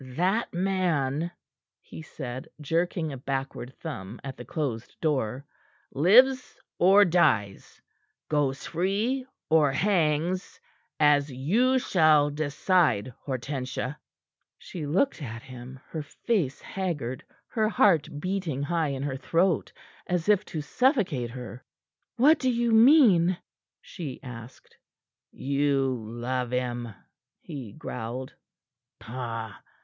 "That man," he said, jerking a backward thumb at the closed door, "lives or dies, goes free or hangs, as you shall decide, Hortensia." She looked at him, her face haggard, her heart beating high in her throat as if to suffocate her. "What do you mean?" she asked. "You love him!" he growled. "Pah!